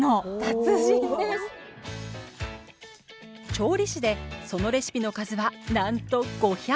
調理師でそのレシピの数はなんと５００。